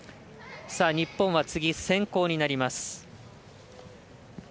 日本は次、先攻になります。